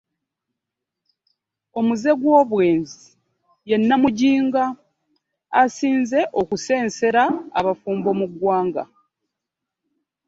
Omuze gw'obwenzi ye Nnamujinga asinze okusensera abafumbo mu ggwanga